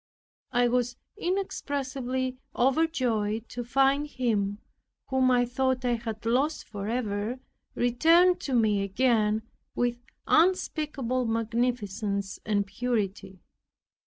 I was inexpressibly overjoyed to find Him, whom I thought I had lost forever, returned to me again with unspeakable magnificence and purity.